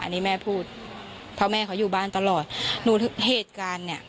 อันนี้แม่พูดเพราะแม่เขาอยู่บ้านตลอดหนูเหตุการณ์เนี่ย